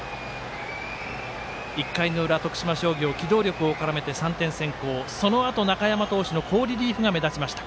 １回の裏、徳島商業機動力を絡めて３点先行、そのあと中山投手の好リリーフが目立ちました。